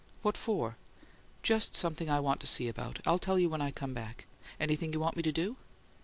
"What for?" "Just something I want to see about. I'll tell you when I come back. Anything you want me to do?"